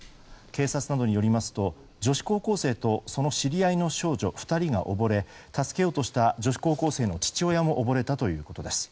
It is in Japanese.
警察などによりますと女子高校生とその知り合いの少女２人が溺れ助けようとした女子高校生の父親も溺れたということです。